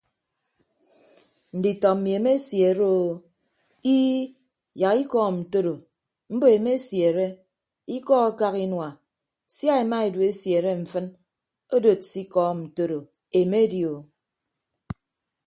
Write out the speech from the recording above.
Nditọ mmi emesiere o ii yak ikọọm ntoro mbo emesiere ikọ akak inua sia ema edu esiere mfịn odod se ikọọm ntoro emedi o.